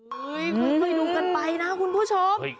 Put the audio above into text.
ค่อยดูกันไปนะคุณผู้ชม